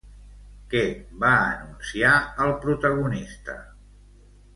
Què va anunciar el protagonista?